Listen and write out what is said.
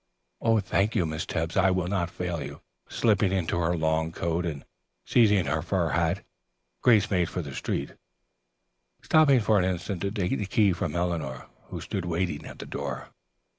"Thank you, Miss Tebbs. I'll not fail." Slipping into her long coat and seizing her fur hat, Grace made for the street, stopping for an instant to take the key from Eleanor, who stood waiting at the door.